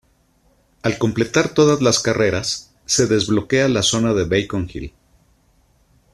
Al completar todas las carreras, se desbloquea la zona de Beacon Hill.